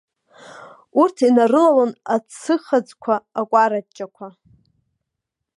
Урҭ инарылалон ацыхаӡқәа, акәараҷҷақәа.